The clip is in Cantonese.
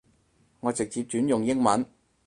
我直接轉用英文